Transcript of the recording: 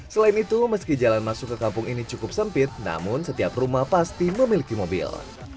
selain itu meski jalan masuk ke kampung ini cukup sempit namun setiap rumah pasti memiliki mobil